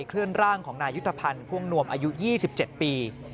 เคลื่อนร่างของนายยุทธภัณฑ์พ่วงนวมอายุ๒๗ปี